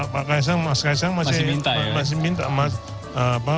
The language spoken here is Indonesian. pak kaisang masih minta